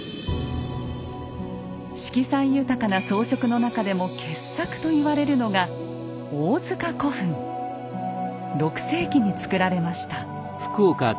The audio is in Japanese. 色彩豊かな装飾の中でも傑作と言われるのが６世紀に造られました。